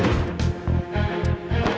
gak akan kecil